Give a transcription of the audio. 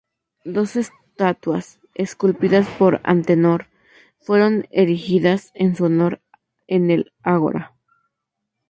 Dos estatuas, esculpidas por Antenor, fueron erigidas en su honor en el Ágora.